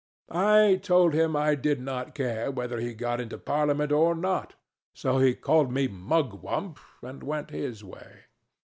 I told him I did not care whether he got into parliament or not; so he called me Mugwump and went his way.